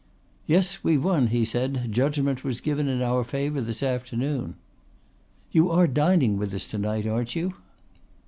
"Yes, we've won," he said. "Judgment was given in our favor this afternoon." "You are dining with us to night, aren't you."